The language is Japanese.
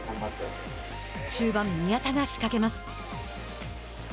中盤、宮田が仕掛けます。